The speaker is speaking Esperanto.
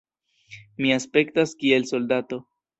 Mi aspektas kiel soldato.